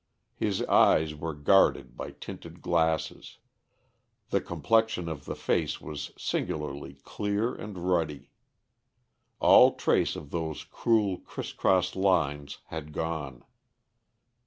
His eyes were guarded by tinted glasses; the complexion of the face was singularly clear and ruddy. All trace of those cruel criss cross lines had gone.